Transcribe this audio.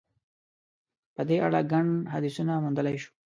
په دې اړه ګڼ حدیثونه موندلای شو.